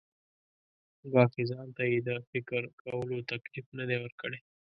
ګواکې ځان ته یې د فکر کولو تکلیف نه دی ورکړی.